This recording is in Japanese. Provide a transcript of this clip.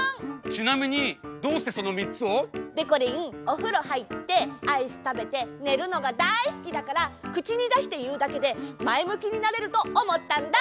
ちなみにどうしてそのみっつを？でこりんおふろはいってアイスたべてねるのがだいすきだからくちにだしていうだけでまえむきになれるとおもったんだ！